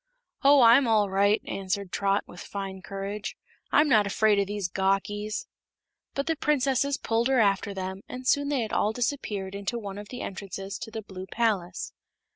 "Oh, I'm all right," answered Trot, with fine courage; "I'm not afraid of these gawkies." But the princesses pulled her after them and soon they had all disappeared into one of the entrances to the Blue Palace.